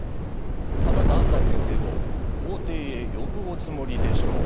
あなた安斎先生を法廷へ呼ぶおつもりでしょう。